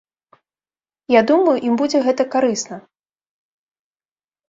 Я думаю, ім будзе гэта карысна.